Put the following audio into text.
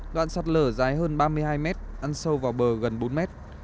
đoạn sạt lở dài hơn ba mươi hai mét ăn sâu vào bờ gần bốn mét